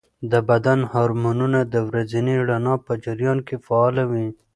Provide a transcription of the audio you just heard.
د بدن هارمونونه د ورځني رڼا په جریان کې فعاله وي.